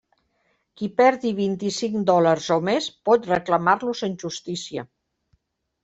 Qui perdi vint-i-cinc dòlars o més, pot reclamar-los en justícia.